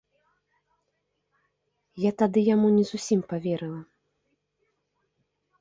Я тады яму не зусім паверыла.